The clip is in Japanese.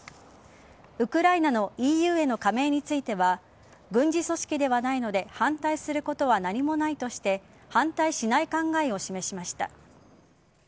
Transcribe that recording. ウクライナのＥＵへの加盟については軍事組織ではないので反対することは何もないとして反対しない考えを示しました。